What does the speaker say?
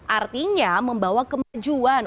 artinya membawa kemajuan